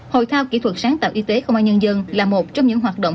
hội thao kỹ thuật sáng tạo y tế không ai nhân dân là một trong những hoạt động